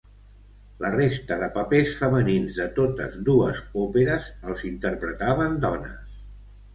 La resta de papers femenins de totes dues òperes els interpretaven dones.